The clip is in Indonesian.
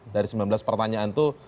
dari sembilan belas pertanyaan itu